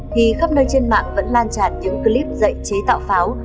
thì khắp nơi trên mạng vẫn lan tràn những clip dạy chế tạo pháo